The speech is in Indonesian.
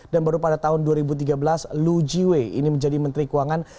dan baru pada tahun dua ribu tiga belas lu jiwei ini menjadi menteri keuangan